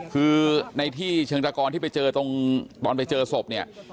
คือในที่เชิงตะกรที่ไปเจอตรงตอนไปเจอศพเนี่ย